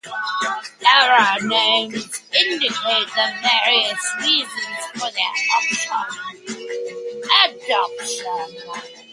Era names indicate the various reasons for their adoption.